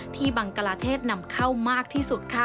บังกลาเทศนำเข้ามากที่สุดค่ะ